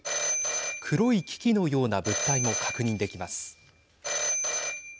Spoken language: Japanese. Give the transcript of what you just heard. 黒い機器のような物体も確認できます。